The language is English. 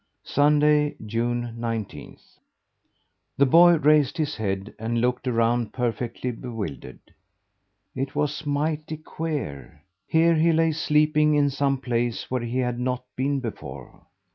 Sunday, June nineteenth. The boy raised his head and looked around, perfectly bewildered. It was mighty queer! Here he lay sleeping in some place where he had not been before.